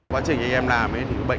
quá trình anh em làm thì bệnh này